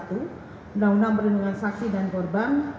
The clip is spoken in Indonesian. undang undang perlindungan saksi dan korban